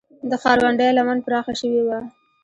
د ښارونډۍ لمن پراخه شوې وه